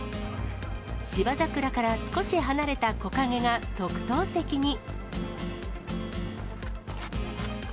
芝桜から少し離れた木陰が特等席に。